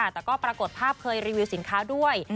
แต่ก็ปรากฏภาพเคยรีวิวสินค้าด้วย